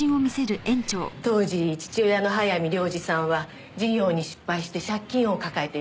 当時父親の早見良司さんは事業に失敗して借金を抱えていましてね。